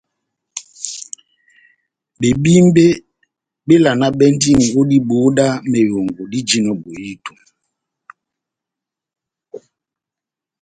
Bebímbe bévalanabɛndini ó diboho dá mehongo dijinɔ bohito.